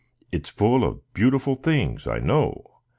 It's full of beautiful things, I know.